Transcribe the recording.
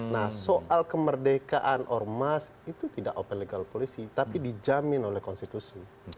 nah soal kemerdekaan ormas itu tidak open legal policy tapi dijamin oleh konstitusi